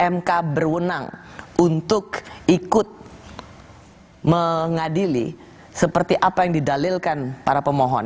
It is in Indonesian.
mk berwenang untuk ikut mengadili seperti apa yang didalilkan para pemohon